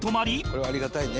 「これはありがたいね」